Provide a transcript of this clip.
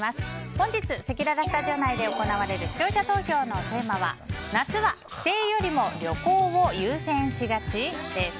本日せきららスタジオ内で行われる視聴者投票のテーマは夏は帰省よりも旅行を優先しがち？です。